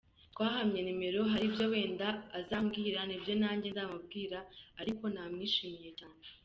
Twahanye nimero hari ibyo wenda azambwira n’ibyo nanjye nzamubwira ariko namwishimiye cyane.